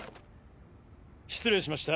失礼しました。